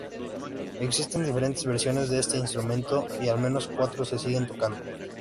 Existen diferentes versiones de este instrumento, y al menos cuatro se siguen tocando.